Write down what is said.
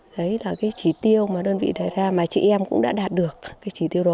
đấy là cái chỉ tiêu mà đơn vị đề ra mà chị em cũng đã đạt được cái chỉ tiêu đó